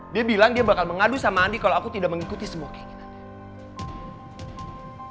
dia bilang dia bakal mengadu sama andi kalau aku tidak mengikuti semua keinginan